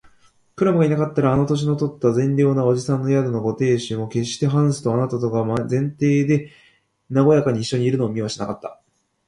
クラムがいなかったら、あの年とった善良な伯父さんの宿のご亭主も、けっしてハンスとあなたとが前庭でなごやかにいっしょにいるのを見はしなかった